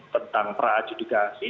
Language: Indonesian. tentang pra adjudikasi